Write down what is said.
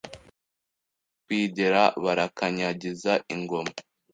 N'abatwigera barakanyagiza ingoma